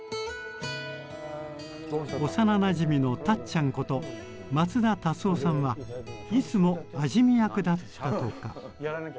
幼なじみの「たっちゃん」こと松田達雄さんはいつも味見役だったとか。